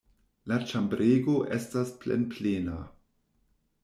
La ĉambrego estas plenplena.